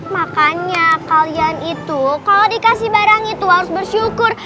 makanya kalian itu kalau dikasih barang itu harus bersyukur